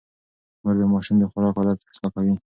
مور د ماشوم د خوراک عادت اصلاح کوي.